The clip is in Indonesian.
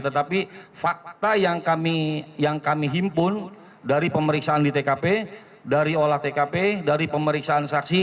tetapi fakta yang kami himpun dari pemeriksaan di tkp dari olah tkp dari pemeriksaan saksi